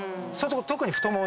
特に。